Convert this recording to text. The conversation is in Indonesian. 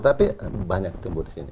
tapi banyak tumbuh di sini